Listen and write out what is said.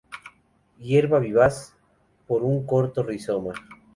Hierba vivaz, por un corto rizoma.